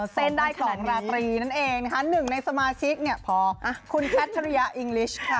เซนได้ขนาดนี้นั่นเองนะคะหนึ่งในสมาชิกพอคุณแคททาเรียอิงกลิชค่ะ